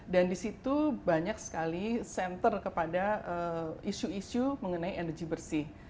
dan disitu banyak sekali center kepada isu isu mengenai energi bersih